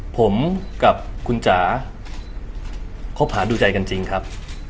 ผมกับคุณจ๋าคบหาดูใจกันจริงครับ